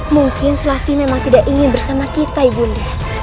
mungkin selasi memang tidak ingin bersama kita ibu undang